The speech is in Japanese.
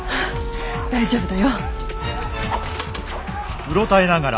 大丈夫だよ。